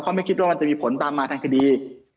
เขาไม่คิดว่ามันจะมีผลตามมาทางคดี